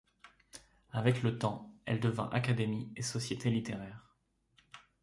Avec le temps, elle devint académie et société littéraire.